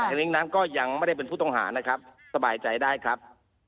ลิ้งน้ำก็ยังไม่ได้เป็นผู้ต้องหานะครับสบายใจได้ครับ